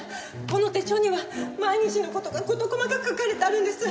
この手帳には毎日の事が事細かく書かれてあるんです。